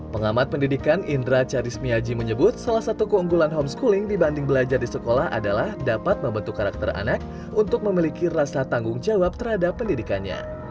pengamat pendidikan indra charismiaji menyebut salah satu keunggulan homeschooling dibanding belajar di sekolah adalah dapat membentuk karakter anak untuk memiliki rasa tanggung jawab terhadap pendidikannya